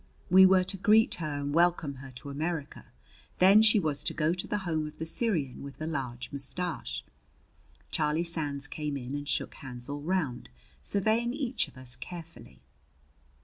We were to greet her and welcome her to America; then she was to go to the home of the Syrian with the large mustache. Charlie Sands came in and shook hands all round, surveying each of us carefully.